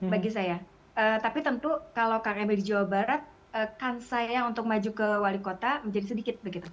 bagi saya tapi tentu kalau kang emil di jawa barat kan saya untuk maju ke wali kota menjadi sedikit begitu